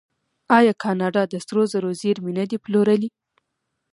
آیا کاناډا د سرو زرو زیرمې نه دي پلورلي؟